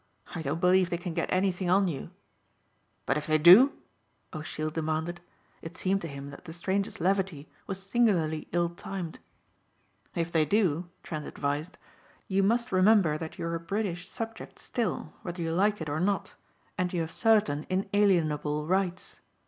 "I don't believe they can get anything on you." "But if they do?" O'Sheill demanded. It seemed to him that the stranger's levity was singularly ill timed. "If they do," Trent advised, "you must remember that you're a British subject still whether you like it or not and you have certain inalienable rights.